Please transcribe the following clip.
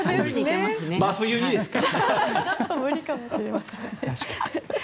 真冬にですか？